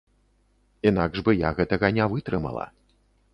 Інакш бы я гэтага не вытрымала.